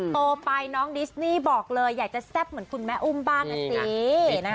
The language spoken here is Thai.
โตไปน้องดิสนี่บอกเลยอยากจะแซ่บเหมือนคุณแม่อุ้มบ้างนะสิ